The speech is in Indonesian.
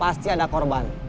pasti ada korban